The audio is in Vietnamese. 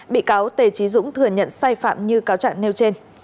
bị cáo tề trí dũng thừa nhận sai phạm như cáo trạng nêu trên